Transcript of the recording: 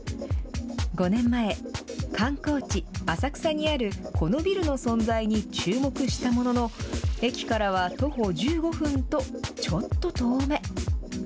５年前、観光地、浅草にあるこのビルの存在に注目したものの、駅からは徒歩１５分と、ちょっと遠め。